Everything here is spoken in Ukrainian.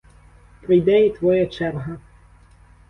Прийде і твоя черга!